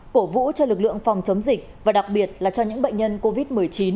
cổ vũ cho lực lượng phòng chống dịch và đặc biệt là cho những bệnh nhân covid một mươi chín